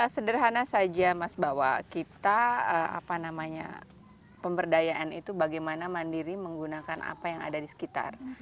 sederhana saja mas bahwa kita apa namanya pemberdayaan itu bagaimana mandiri menggunakan apa yang ada di sekitar